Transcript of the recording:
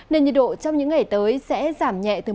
nên nhiệt độ trong những ngày tới sẽ giảm nhẹ từ một hai độ